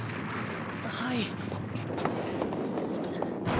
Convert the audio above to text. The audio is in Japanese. はい。